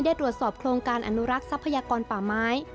ได้ตรวจสอบโครงการอนุรักษ์ทรัพยากรป่าไม้